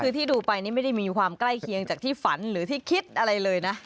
คือที่ดูไปนี่ไม่ได้มีความใกล้เคียงจากที่ฝันหรือที่คิดอะไรเลยนะ